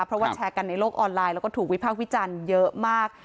เพราะว่าแชร์กันในโลกออนไลน์แล้วก็ถูกวิพากษ์วิจารณ์เยอะมาก